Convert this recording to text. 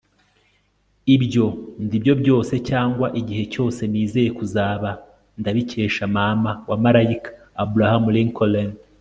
ibyo ndi byo byose cyangwa igihe cyose nizeye kuzaba, ndabikesha mama wa malayika - abraham lincoln